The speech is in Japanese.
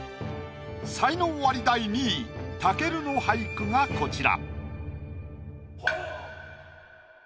才能アリ第２位武尊の俳句がこちら。